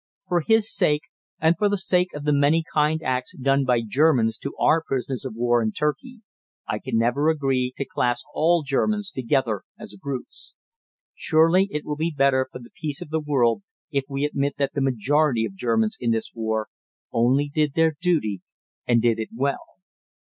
For his sake, and for the sake of the many kind acts done by Germans to our prisoners of war in Turkey, I can never agree to class all Germans together as brutes. Surely it will be better for the peace of the world if we admit that the majority of Germans in this war only did their duty and did it well.